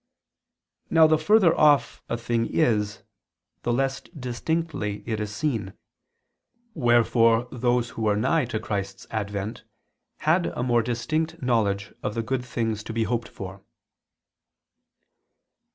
Now the further off a thing is the less distinctly is it seen; wherefore those who were nigh to Christ's advent had a more distinct knowledge of the good things to be hoped for.